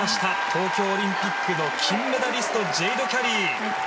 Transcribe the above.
東京オリンピックの金メダリストジェイド・キャリー。